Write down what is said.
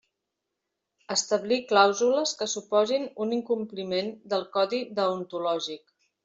Establir clàusules que suposin un incompliment del Codi Deontològic.